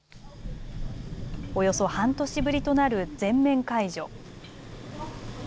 およそ半年ぶりとなる全面解除。